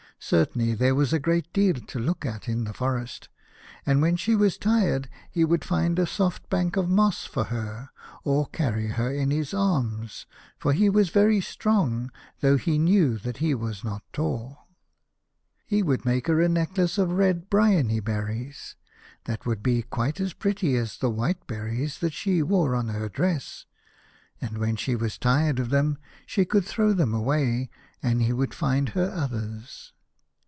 Certainly there was a great deal to look at in the forest, and when she was tired he would find a soft bank of moss for her, or carry her in his arms, for he was very strong, though he knew that he was not tall. He would make her a necklace of red bryony berries, that would be quite as pretty as the white berries that she wore on her dress, and 5 1 A House of Pomegranates. when she was tired of them, she could throw them away, and he would find her others.